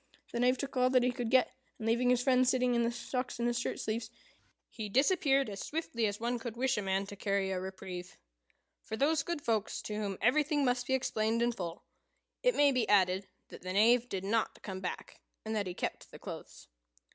The Knave, took all that he could get, and, leaving his friend sitting in the stocks in his shirt sleeves, he disappeared as swiftly as one could wish a man to carry a reprieve. For those good folks to whom everything must be explained in full, it may be added that the Knave did not come back, and that he kept the clothes.